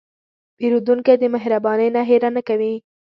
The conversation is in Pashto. پیرودونکی د مهربانۍ نه هېره نه کوي.